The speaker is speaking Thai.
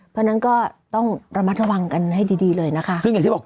เพราะฉะนั้นก็ต้องระมัดระวังกันให้ดีดีเลยนะคะซึ่งอย่างที่บอก